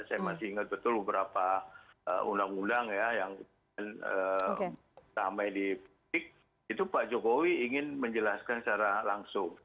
saya masih ingat betul beberapa undang undang ya yang ramai di publik itu pak jokowi ingin menjelaskan secara langsung